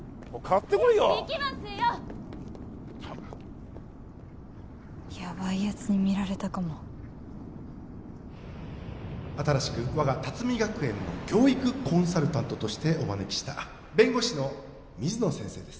ったくヤバいやつに見られたかも新しく我が龍海学園の教育コンサルタントとしてお招きした弁護士の水野先生です